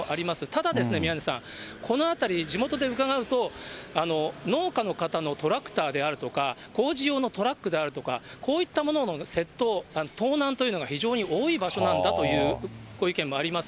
ただですね、宮根さん、この辺り、地元で伺うと、農家の方のトラクターであるとか、工事用のトラックであるとか、こういったものの窃盗、盗難というのが非常に多い場所なんだというご意見もあります。